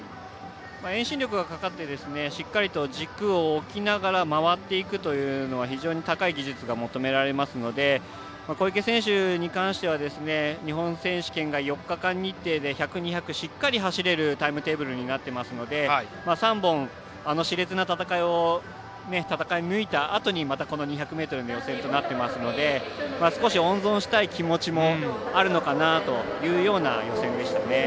遠心力がかかってしっかりと軸を置きながら回っていくというのは非常に高い技術が求められますので小池選手に関しては日本選手権が４日間日程で１００、２００、しっかり走れるタイムテーブルになっていますので３本、あのしれつな戦いを戦い抜いたあとにまた２００ｍの予選となっていますので少し温存したい気持ちもあるのかなというような予選でしたね。